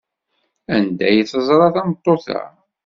Anda ay teẓra tameṭṭut-a?